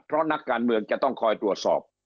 เพราะนักการเมืองจะต้องคอยตรวจสอบ